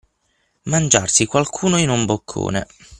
Mangiarsi qualcuno in un boccone.